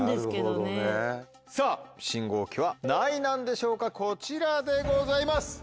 さぁ信号機は何位なんでしょうかこちらでございます。